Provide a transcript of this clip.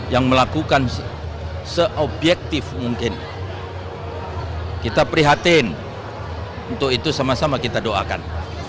yang melakukan seobjektif mungkin kita prihatin untuk itu sama sama kita doakan